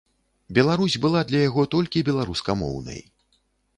Беларусь была для яго толькі беларускамоўнай.